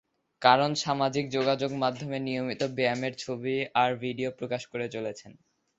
কারণ, সামাজিক যোগাযোগমাধ্যমে নিয়মিত ব্যায়ামের ছবি আর ভিডিও প্রকাশ করে চলেছেন।